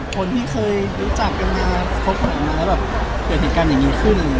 คุณรู้หรือเปล่ารู้สึกยังไง